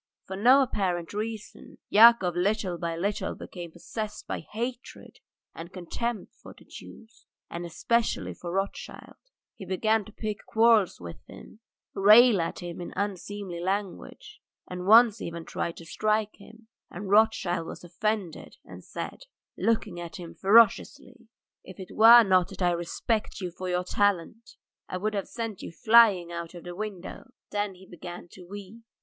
For no apparent reason Yakov little by little became possessed by hatred and contempt for the Jews, and especially for Rothschild; he began to pick quarrels with him, rail at him in unseemly language and once even tried to strike him, and Rothschild was offended and said, looking at him ferociously: "If it were not that I respect you for your talent, I would have sent you flying out of the window." Then he began to weep.